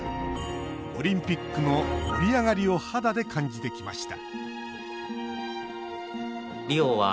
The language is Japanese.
オリンピックの盛り上がりを肌で感じてきました